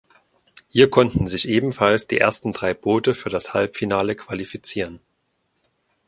Hier konnten sich ebenfalls die ersten drei Boote für das Halbfinale qualifizieren.